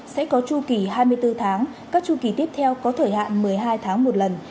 sẽ có chu kỳ hai mươi bốn tháng các chu kỳ tiếp theo có thời hạn một mươi hai tháng một lần